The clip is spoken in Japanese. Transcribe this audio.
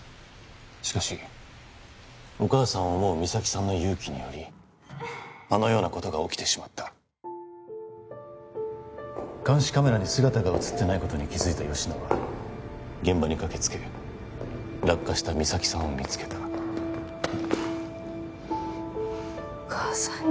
しかしお母さんを思う実咲さんの勇気によりあのようなことが起きてしまった監視カメラに姿が写ってないことに気づいた吉乃は現場に駆けつけ落下した実咲さんを見つけたお母さんに